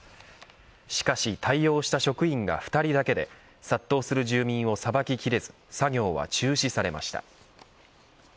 しかし対応した職員が２人だけで殺到する住民をさばききれず作業は中止されました。